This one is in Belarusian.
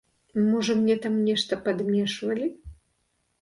Можа, мне там нешта падмешвалі?